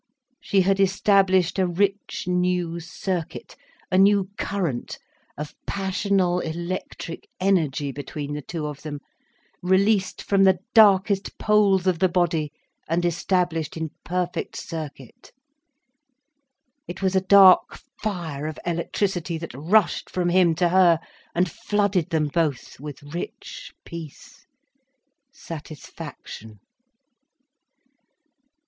She had established a rich new circuit, a new current of passional electric energy, between the two of them, released from the darkest poles of the body and established in perfect circuit. It was a dark fire of electricity that rushed from him to her, and flooded them both with rich peace, satisfaction.